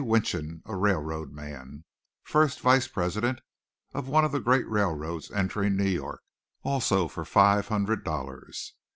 Winchon, a railroad man, first vice president of one of the great railroads entering New York, also for five hundred dollars.